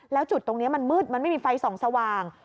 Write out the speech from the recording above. แล้วจุดตรงนี้มันมืดมันไม่มีไฟส่องสว่าง